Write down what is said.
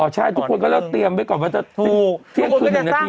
อ๋อใช่ทุกคนก็ต้องเตรียมไปก่อนว่าจะเที่ยงคืน๑นาทีทำอะไร